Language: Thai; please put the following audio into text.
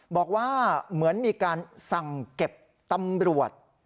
บอกว่าเหมือนมีการสั่งเก็บตำรวจ